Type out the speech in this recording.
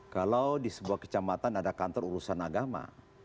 kalau di sebuah kecamatan ada kantor urusan agama